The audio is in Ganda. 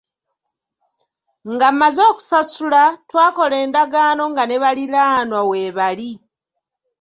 Nga mmaze okusasula, twakola endagaano nga ne baliraanwa weebali.